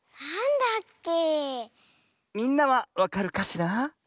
みんなはわかるかしら？